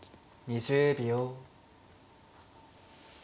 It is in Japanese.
２０秒。